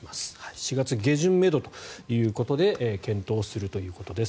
４月下旬めどということで検討するということです。